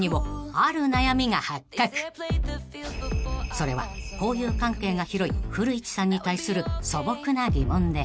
［それは交友関係が広い古市さんに対する素朴な疑問で］